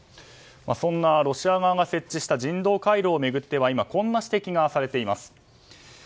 そんなロシア側が設置した人道回廊を巡っては今こんな指摘がされています。